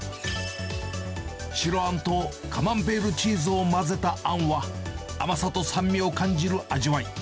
白あんとカマンベールチーズを混ぜたあんは、甘さと酸味を感じる味わい。